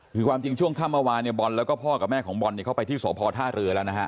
คือความจริงช่วงค่ำเมื่อวานเนี่ยบอลแล้วก็พ่อกับแม่ของบอลเนี่ยเขาไปที่สพท่าเรือแล้วนะฮะ